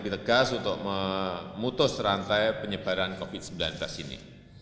lebih tegas untuk memutus rantai penyebaran covid sembilan belas ini